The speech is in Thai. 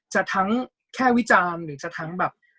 จะทั้งแค่วิจารณ์หรือจะทั้งแบบ